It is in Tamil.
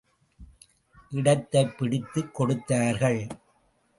இடத்தைப் பிடித்துக் கொடுத்தார்கள்.